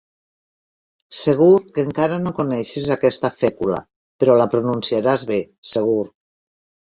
Segur que encara no coneixes aquesta fècula, però la pronunciaràs bé, segur.